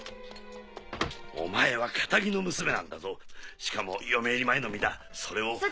お前はカタギの娘なんだぞしかも嫁入り前の身だそれを。